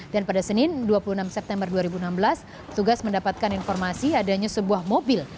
dan pada senin dua puluh enam september dua ribu enam belas tugas mendapatkan informasi adanya sebuah mobil